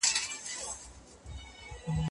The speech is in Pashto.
موږ د نيکونو امانت لرو.